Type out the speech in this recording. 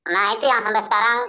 nah itu yang sampai sekarang